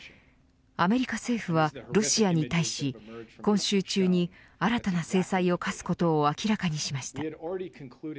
アメリカ政府はロシアに対し今週中に新たな制裁を科すことを明らかにしました。